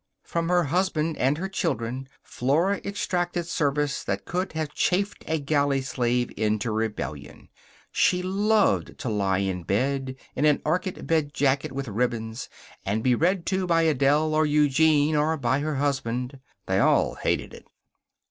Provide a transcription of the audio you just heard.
From her husband and her children, Flora exacted service that would have chafed a galley slave into rebellion. She loved to lie in bed, in an orchid bed jacket with ribbons, and be read to by Adele, or Eugene, or her husband. They all hated it.